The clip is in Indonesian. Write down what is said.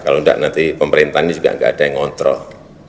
kalau enggak nanti pemerintah ini juga nggak ada yang ngontrol